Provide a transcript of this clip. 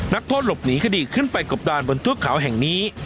นักโทษหลบหนีคดีขึ้นไปกบดานบนเทือกเขาแห่งนี้